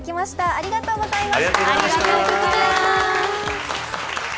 ありがとうございます。